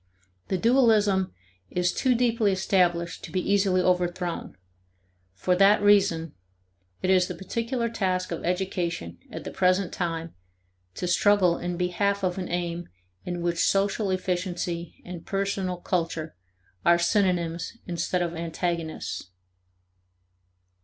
The dualism is too deeply established to be easily overthrown; for that reason, it is the particular task of education at the present time to struggle in behalf of an aim in which social efficiency and personal culture are synonyms instead of antagonists.